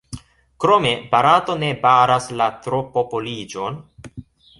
Krome Barato ne baras la tropopoliĝon.